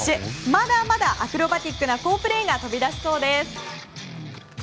まだまだアクロバティックな好プレーが飛び出しそうです。